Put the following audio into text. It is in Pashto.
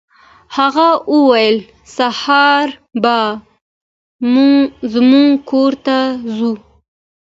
هغه وویل سهار به زموږ کور ته ځو.